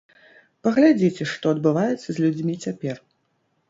Паглядзіце, што адбываецца з людзьмі цяпер.